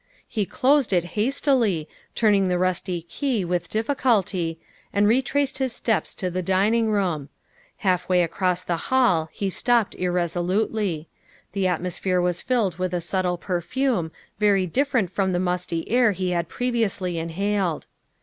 He closed it hastily, turning the rusty key with diffi culty, and retraced his steps to the dining room. Half way across the hall he stopped irresolutely; the atmos phere was filled with a subtle perfume very different from the musty air he had previously inhaled.